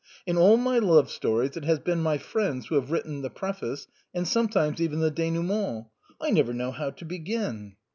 In all my love stories it has been my friends who have written the preface, and sometimes even the dénouement; I never knew how to begin."